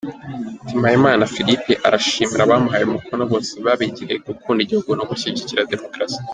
Ati “Mpayimana Philippe arashimira abamuhaye umukono bose, babigiriye gukunda igihugu no gushyigikira demokarasi.